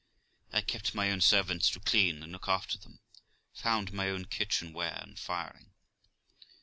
I kept my own servants to clean and look after them, found my own kitchen ware and firing.